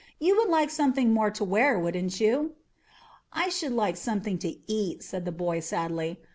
You would like something more to wear, wouldn't you?" "I should like something to eat,"' said the boy sadly.